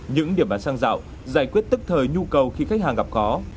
những điểm bán xăng dạo giải quyết tức thời nhu cầu khi khách hàng gặp khó